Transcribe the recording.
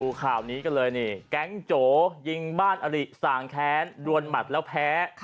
ข่าวนี้กันเลยนี่แก๊งโจยิงบ้านอริสางแค้นดวนหมัดแล้วแพ้